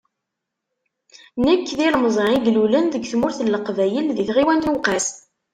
Nekk, d ilmẓi i ilulen deg tmurt n Leqbayel di tɣiwant n Uweqqas.